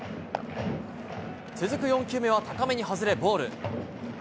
続く４球目は高めに外れ、ボール。